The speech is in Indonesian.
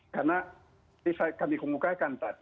karena ini kami kemukakan tadi